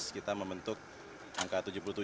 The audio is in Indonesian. kita membentuk angka tujuh puluh tujuh